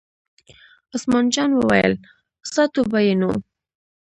عثمان جان وویل: ساتو به یې نو.